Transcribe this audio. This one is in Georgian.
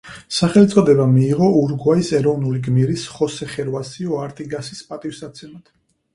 სახელწოდება მიიღო ურუგვაის ეროვნული გმირის ხოსე ხერვასიო არტიგასის პატივსაცემად.